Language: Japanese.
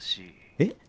えっ？